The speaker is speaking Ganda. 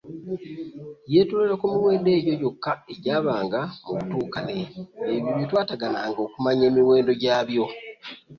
Yeetoloolera ku miwendo egyo gyokka egyabanga mu butuukane bw’ebyo bye twetaaganga okumanya emiwendo gyabyo.